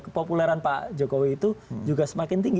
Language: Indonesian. kepopuleran pak jokowi itu juga semakin tinggi